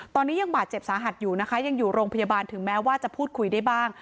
ตอนนี้ยังบาดเจ็บสาหัสอยู่นะคะยังอยู่โรงพยาบาลถึงแม้ว่าจะพูดคุยได้บ้าง